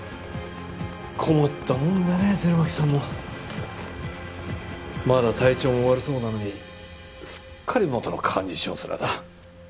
困ったもんだね鶴巻さんも。まだ体調も悪そうなのにすっかり元の幹事長面だ。